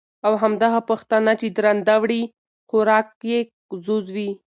او همدغه پښتانه، چې درانده وړي خوراک یې ځوز وي،